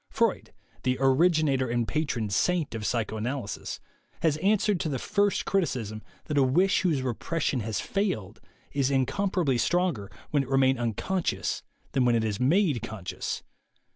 Freud, the originator and patron saint of psychoanalysis, has answered to the first criticism that a wish whose repression has failed is incom parably stronger when it remain unconscious than when it is made conscious.